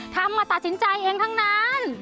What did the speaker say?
ทำมาตัดสินใจเองทั้งนั้น